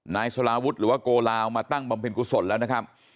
นายสลาวุฒิหรือว่าโกลาวมาตั้งบำเพ็ญกุศลแล้วนะครับ